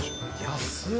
安っ！